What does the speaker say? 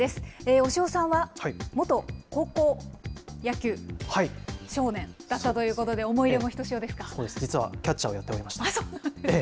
押尾さんは、元高校野球少年だったということで、思い入れもひと実はキャッチャーをやっておそうなんですね。